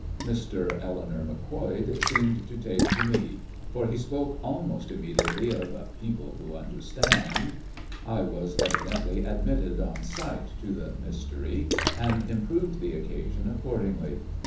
Mr. Eleanor Macquoid seemed to take to me, for he spoke almost immediately of "people who understand." I was evidently admitted on sight to the mystery, and improved the occasion accordingly.